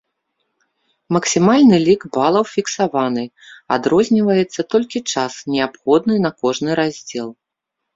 Максімальны лік балаў фіксаваны, адрозніваецца толькі час, неабходны на кожны раздзел.